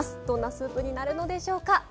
どんなスープになるのでしょうか？